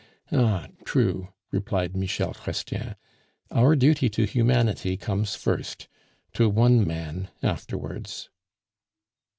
"Ah! true," replied Michel Chrestien. "Our duty to Humanity comes first; to one man afterwards."